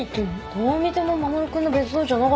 どう見ても守君の別荘じゃなかったじゃん。